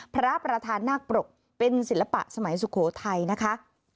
พระประธานนาคปรกเป็นศิลปะสมัยสุโขทัยนะคะ